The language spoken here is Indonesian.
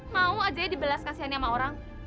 mau aja dibelas kasihan sama orang